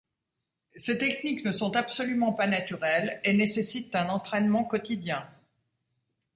Ces techniques ne sont absolument pas naturelles et nécessitent un entraînement quotidien.